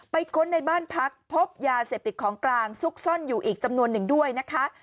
ค้นในบ้านพักพบยาเสพติดของกลางซุกซ่อนอยู่อีกจำนวนหนึ่งด้วยนะคะ